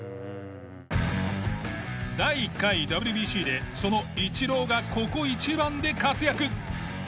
第１回ＷＢＣでそのイチローがここ一番で活躍。